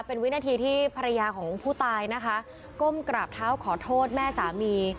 เป็นวินาทีที่ภรรยาของผู้ตายนะคะก้มกราบเท้าขอโทษแม่สามี